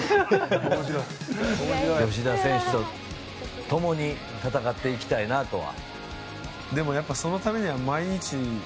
吉田選手と共に戦っていきたいなとは。